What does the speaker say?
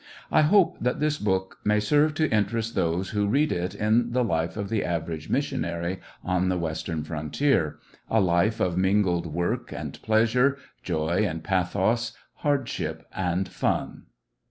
I hope that this book may serve to interest those who read it in the life of the average missionary on the Western frontier — a life of mingled work and pleasure, joy and pathos, hardship and fun.